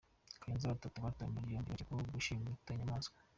Kayonza Batatu batawe muri yombi bakekwaho gushimuta inyamaswa